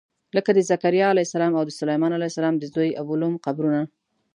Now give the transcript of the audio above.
لکه د ذکریا علیه السلام او د سلیمان علیه السلام د زوی ابولوم قبرونه.